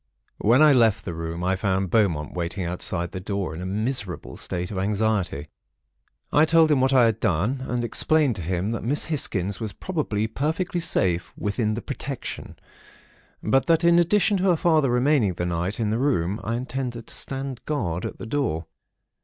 "When I left the room, I found Beaumont waiting outside the door, in a miserable state of anxiety. I told him what I had done, and explained to him that Miss Hisgins was probably perfectly safe within the 'protection'; but that, in addition to her father remaining the night in the room, I intended to stand guard at the door.